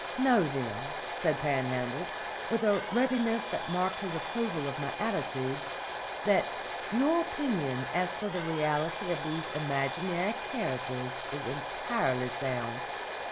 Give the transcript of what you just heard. "Know, then," said Panhandle, with a readiness that marked his approval of my attitude, "that your opinion as to the reality of these imaginary characters is entirely sound.